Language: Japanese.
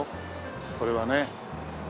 これはね。